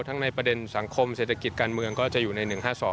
ในประเด็นสังคมเศรษฐกิจการเมืองก็จะอยู่ใน๑๕๒